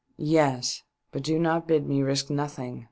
" Yes, but do not bid me risk nothing